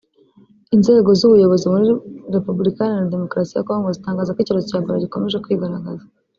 Inzego z’ubuyobozi muri Repubulika Iharanira Demokarasi ya Congo zitangaza ko icyorezo cya Ebola gikomeje kwigaragaza